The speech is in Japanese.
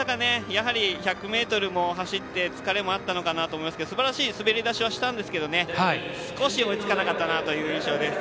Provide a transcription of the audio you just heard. やはり、１００ｍも走って疲れもあったかと思いますがすばらしい滑り出ししたんですが少し追いつかなかったかなという印象です。